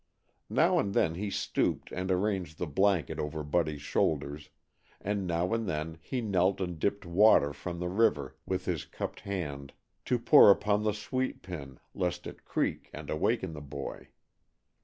Now and then he stooped and arranged the blanket over Buddy's shoulders, and now and then he knelt and dipped water from the river with his cupped hand to pour upon the sweep pin lest it creak and awaken the boy.